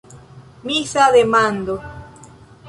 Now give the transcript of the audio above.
Misa demando.